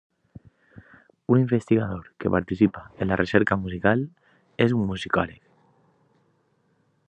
Un investigador que participa en la recerca musical és un musicòleg.